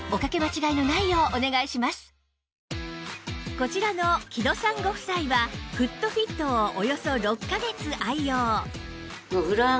こちらの木戸さんご夫妻はフットフィットをおよそ６カ月愛用